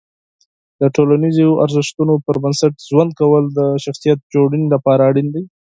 د ټولنیزو ارزښتونو پر بنسټ ژوند کول د شخصیت جوړونې لپاره اړین دي.